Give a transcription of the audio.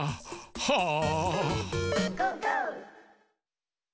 はあ。